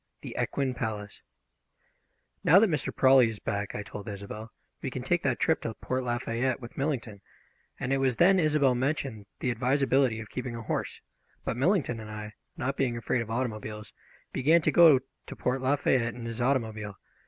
THE EQUINE PALACE "NOW that Mr. Prawley is back," I told Isobel, "we can take that trip to Port Lafayette with Millington," and it was then Isobel mentioned the advisability of keeping a horse; but Millington and I, not being afraid of automobiles, began to go to Port Lafayette in his automobile.